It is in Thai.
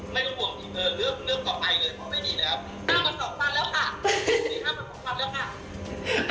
บอกคุณถนนค่ะมันจะบอกคุณค่ะ